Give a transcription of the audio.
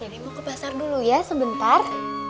jadi mau ke pasar dulu ya sebentar